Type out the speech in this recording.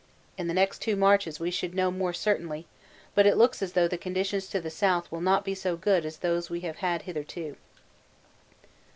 In the next two marches we should know more certainly, but it looks as though the conditions to the south will not be so good as those we have had hitherto.